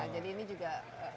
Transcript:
jadi ini juga